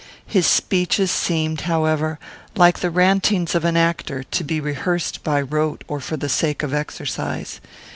His speeches seemed, however, like the rantings of an actor, to be rehearsed by rote or for the sake of exercise.